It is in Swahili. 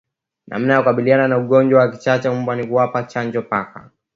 Namna ya kukabiliana na ugonjwa wa kichaa cha mbwa ni kuwapa chanjo paka